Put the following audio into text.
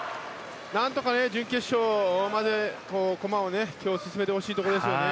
何とか準決勝まで駒を進めてほしいところですね。